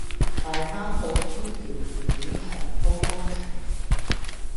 大坑道天橋橋面重鋪工程